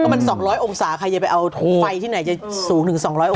มัน๒๐๐องศาใครจะไปเอาไฟที่ไหนจะสูงถึง๒๐๐อง